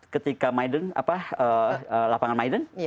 seribu sembilan ratus sembilan puluh empat ketika lapangan maiden